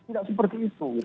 tidak seperti itu